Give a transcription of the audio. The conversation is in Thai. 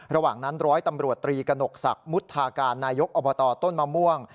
ระหว่างนั้นร้อยตำรวจตรีกระหนกศักดิ์มุทาการนายกอบตต้นมะม่วง